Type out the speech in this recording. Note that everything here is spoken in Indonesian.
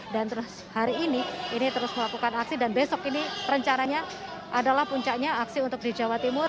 dan terus hari ini ini terus melakukan aksi dan besok ini rencananya adalah puncaknya aksi untuk di jawa timur